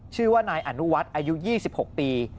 ชื่อว่านายอนุวัฒน์อายุ๒๖ปี